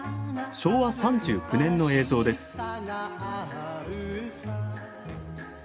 昭和３９年の映像です。